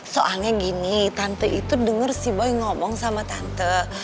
soalnya gini tante itu denger si boy ngomong sama tante